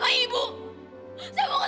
begitu mendamnya anwar